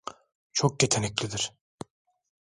Çok yeteneklidir.